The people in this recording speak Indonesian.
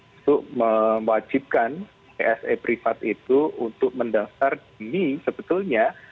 untuk mewajibkan pse privat itu untuk mendaftar demi sebetulnya